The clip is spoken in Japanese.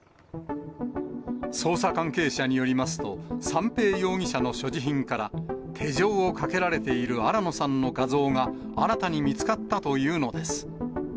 捜査関係者によりますと、三瓶容疑者の所持品から、手錠をかけられている新野さんの画像が新たに見つかったというのです。